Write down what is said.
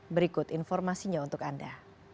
berikut informasinya untuk anda